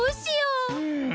うん。